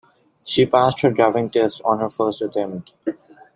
She passed her driving test on her first attempt.